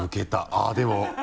あっでも。